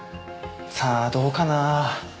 さあどうかな。